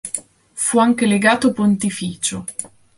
Fu anche legato pontificio.